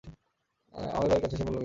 আমাদের বাড়ি কাছে এসে পড়ল, মিতা।